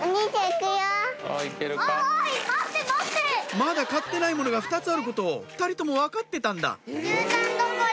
まだ買ってないものが２つあることを２人とも分かってたんだ！